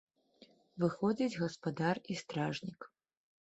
Выходзяць гаспадар і стражнік.